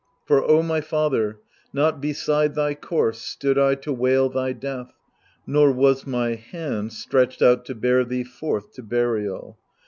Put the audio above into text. For O my father, not beside thy corse Stood I to wail thy death, nor was my hand Stretched out to bear thee forth to burial.